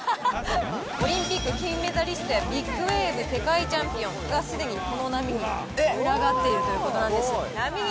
オリンピック金メダリストやビッグウェーブ世界チャンピオンがすでに、この波に群がってるということなんですよ。